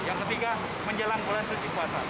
yang ketiga menjelang bulan suci puasa